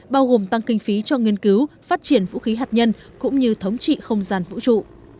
bao gồm tăng kinh phí cho nghiên cứu phát triển vũ khí hạt nhân cũng như thống trị không gian vũ trụ